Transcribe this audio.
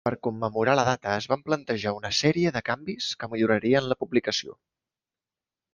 Per commemorar la data es van plantejar una sèrie de canvis que millorarien la publicació.